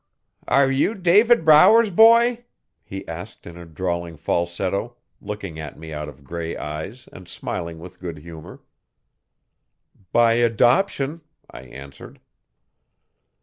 'Are you Dave Brower's boy?' he asked in a drawling falsetto, looking at me out of grey eyes and smiling with good humour. 'By adoption,' I answered.'